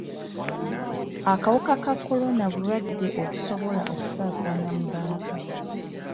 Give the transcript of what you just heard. Akawuka ka kolona bulwadde obusobola okusaasaana mu bantu.